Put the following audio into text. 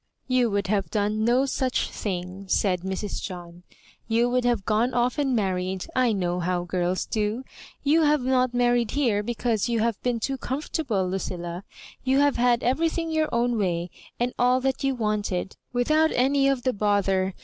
"You would have done no such thing," said Mrs. John ; you would have gone off and mar ried ; I know how girls do. You have not mar ried here, because you have been too comfortable, Lucilla. You have had everything your own way, and all that you wanted, without any of the bother.